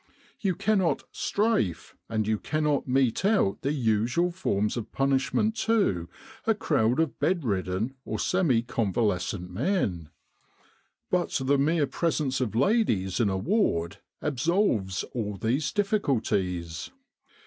You cannot * strafe, ' and you cannot mete out the usual forms of punishment to, a crowd of bedridden or semi convalescent men. But the mere presence of ladies in a ward absolves all these difficulties.